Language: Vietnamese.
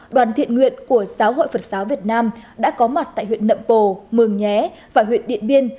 đoàn thiện nguyện của giáo hội phật giáo việt nam đã có mặt tại huyện nậm bồ mường nhé và huyện điện biên